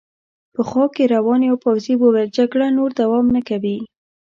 په خوا کې روان یوه پوځي وویل: جګړه نور دوام نه کوي.